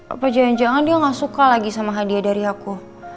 apa jangan jangan dia gak suka lagi sama hadiah dari aku